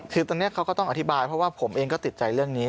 คือตอนนี้เขาก็ต้องอธิบายเพราะว่าผมเองก็ติดใจเรื่องนี้